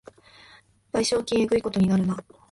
賠償金えぐいことになるな